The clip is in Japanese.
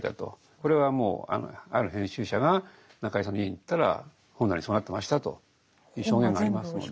これはもうある編集者が中井さんの家に行ったら本棚そうなってましたという証言がありますので。